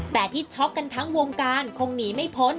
แต่ที่ช็อกกันทั้งวงการคงหนีไม่พ้น